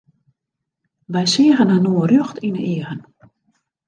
Wy seagen inoar rjocht yn 'e eagen.